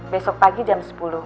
besok pagi jam sepuluh